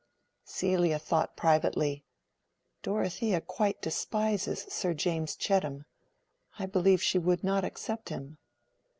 Celia thought privately, "Dorothea quite despises Sir James Chettam; I believe she would not accept him."